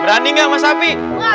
berani gak sama sapi